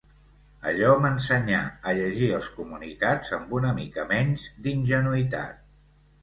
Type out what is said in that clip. Allò m'ensenyà a llegir els comunicats amb una mica menys d'ingenuïtat